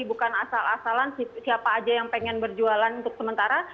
bukan asal asalan siapa aja yang pengen berjualan untuk sementara